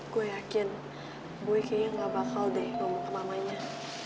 gue yakin gue kayaknya gak bakal deh ngomong ke mamanya